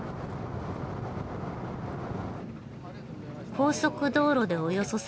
高速道路でおよそ３０分。